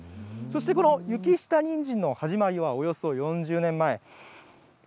そしてこの雪下にんじんの始まりはおよそ４０年前。